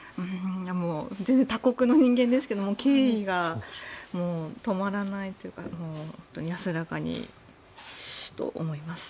全然、他国の人間ですけども敬意が止まらないというか安らかにと思います。